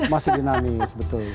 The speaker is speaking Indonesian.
masih dinamis betul